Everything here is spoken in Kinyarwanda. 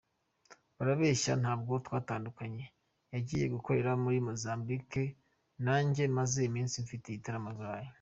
Barabeshya ntabwo twatandukanye, yagiye gukorera muri Mozambique, nanjye maze iminsi mfite ibitaramo i Burayi.